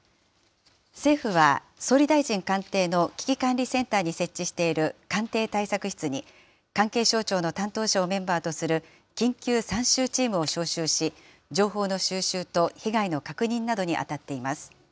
政府は、総理大臣官邸の危機管理センターに設置している官邸対策室に、関係省庁の担当者をメンバーとする緊急参集チームを招集し、情報の収集と被害の確認などに当たっています。